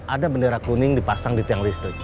ada bendera kuning dipasang di tiang listrik